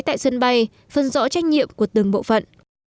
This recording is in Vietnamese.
tại sân bay phân rõ trách nhiệm của từng bộ phận